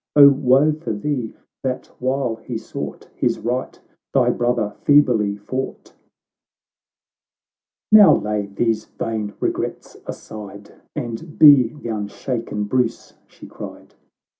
O woe for thee, that while he sought His right, thy brother feebly fought !"— XXIV "Now lay these vain regrets aside, And be the unshaken Bruce !" she cried.